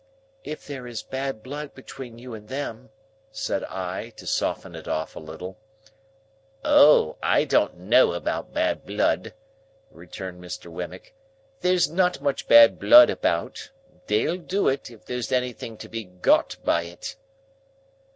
"If there is bad blood between you and them," said I, to soften it off a little. "O! I don't know about bad blood," returned Mr. Wemmick; "there's not much bad blood about. They'll do it, if there's anything to be got by it."